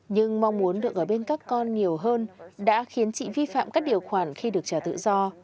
nhưng mong muốn được ở bên các con nhiều hơn đã khiến chị vi phạm các điều khoản khi được trả tự do